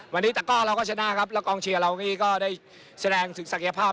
วันนี้ตะก้อเราก็ชนะครับแล้วกองเชียร์เรานี่ก็ได้แสดงถึงศักยภาพ